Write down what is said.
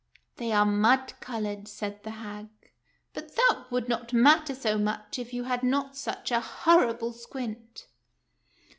" They are mud colored," said the hag ;" but that would not matter so much if you had not such a horrible squint."